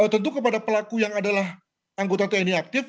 tentu kepada pelaku yang adalah anggota tni aktif